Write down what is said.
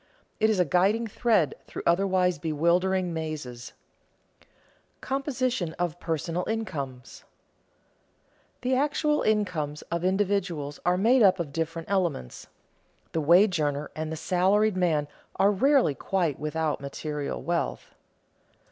It is a guiding thread through otherwise bewildering mazes. [Sidenote: Composition of personal incomes] The actual incomes of individuals are made up of different elements. The wage earner and the salaried man are rarely quite without material wealth.